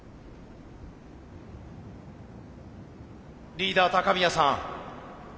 リーダー高宮さん。